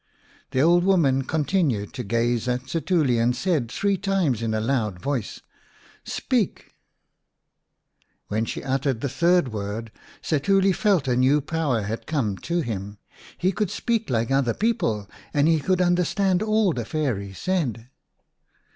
The old woman continued to gaze at Setuli, and said three times in a loud voice, " Speak !" When she uttered the third word Setuli felt a new power had come to him. He could speak like other people, and he could understand all the Fairy said.